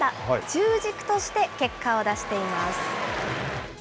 中軸として結果を出しています。